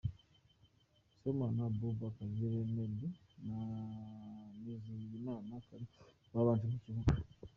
Sibomana Abuba, Kagere Meddie na Nizigiyimana Kharim babanje mu kibuga.